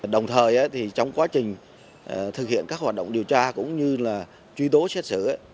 đồng thời trong quá trình thực hiện các hoạt động điều tra cũng như truy tố xét xử